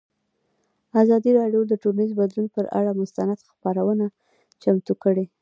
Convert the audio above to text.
ازادي راډیو د ټولنیز بدلون پر اړه مستند خپرونه چمتو کړې.